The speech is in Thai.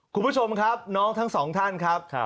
คุณผู้ชมครับน้องทั้งสองท่านครับ